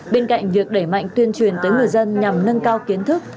bên cạnh việc đẩy mạnh tuyên truyền tới người dân nhằm nâng cao kiến thức